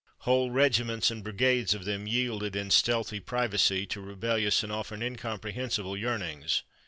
Whole regiments and brigades of them yielded in stealthy privacy to rebellious and often incomprehensible yearnings.